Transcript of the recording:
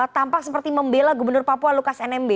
tampak seperti membela gubernur papua lukas nmb